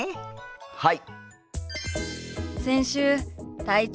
はい！